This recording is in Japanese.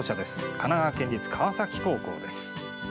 神奈川県立川崎高校です。